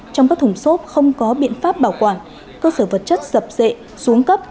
trong các thùng xốp không có biện pháp bảo quản cơ sở vật chất sập dệ xuống cấp